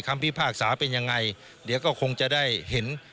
พิพากษาเป็นยังไงเดี๋ยวก็คงจะได้เห็น